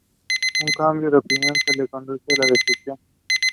The cave is an important attraction for Hindus and tourists.